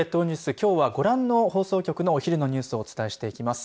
きょうは、ご覧の放送局のお昼のニュースをお伝えしていきます。